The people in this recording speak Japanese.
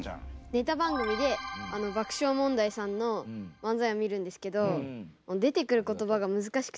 ネタ番組で爆笑問題さんの漫才を見るんですけど出てくる言葉が難しくて正直よく分かりません。